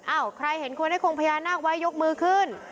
ใครเห็นควรให้คงพญานาคไว้ยกมือขึ้น